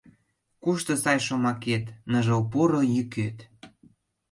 Кушто сай шомакет, Ныжыл, поро йӱкет?